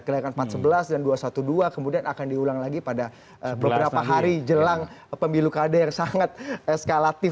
gerakan empat sebelas dan dua ratus dua belas kemudian akan diulang lagi pada beberapa hari jelang pemilu kada yang sangat eskalatif